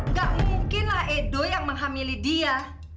nggak mungkinlah edo yang menghamili dia